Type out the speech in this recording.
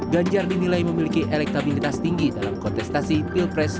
ganjar dinilai memiliki elektabilitas tinggi dalam kontestasi pilpres dua ribu dua puluh empat